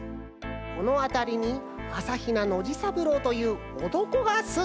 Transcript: このあたりにあさひなノジさぶろうというおとこがすんでおりました。